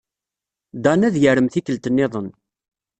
Dan ad yarem tikkelt niḍen.